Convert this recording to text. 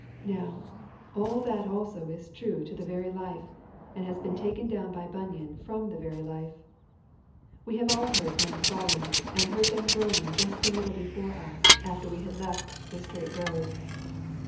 Now, all that also is true to the very life, and has been taken down by Bunyan from the very life. We have all heard men falling and heard them groaning just a little before us after we had left the strait road.